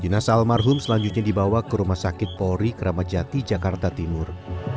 jenasa almarhum selanjutnya dibawa ke rumah sakit polri kramajati jakarta timur